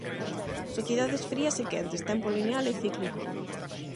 Sociedades frías e quentes, tempo lineal e cíclico.